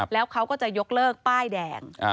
แล้วเขาก็จะยกเลิกป้ายแดง